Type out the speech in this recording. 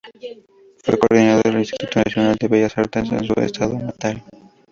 Fue coordinador del Instituto Nacional de Bellas Artes en su estado natal.